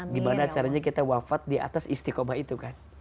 gimana caranya kita wafat diatas istiqomah itu kan